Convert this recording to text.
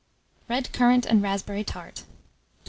RED CURRANT AND RASPBERRY TART. 1267.